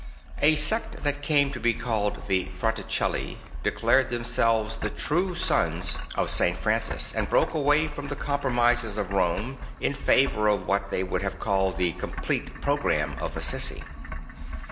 A sect that came to be called the Fraticelli declared themselves the true sons 180 St. Francis of Assist' of St. Francis and broke away from the com promises of Rome in favour of what they would have called the complete programme of Assisi.